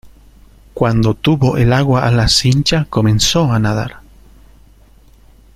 cuando tuvo el agua a la cincha comenzó a nadar